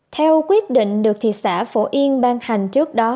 theo quyết định được thị xã phổ yên ban hành trước đó